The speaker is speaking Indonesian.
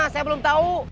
saya belum tahu